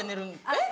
えっ？